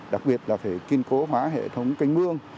đặc biệt là phải kiên cố hóa hệ thống canh mương